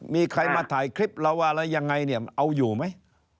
มีใครมาถ่ายคลิปอย่างไรเอาอยู่ไหม